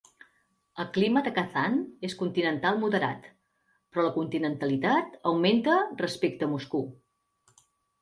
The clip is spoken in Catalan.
El clima de Kazan és continental moderat, però la continentalitat augmenta respecte a Moscou.